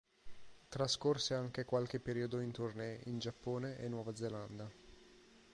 Trascorse anche qualche periodo in tournée in Giappone e Nuova Zelanda.